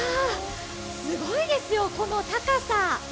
すごいですよ、この高さ。